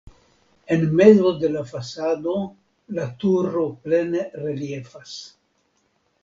En mezo de la fasado la turo plene reliefas.